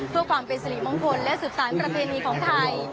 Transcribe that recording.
เพื่อความเป็นสิริมงคลและสืบสารประเพณีของไทย